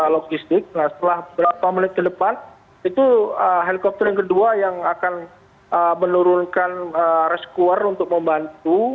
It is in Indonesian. logistik nah setelah berapa menit ke depan itu helikopter yang kedua yang akan menurunkan rescuer untuk membantu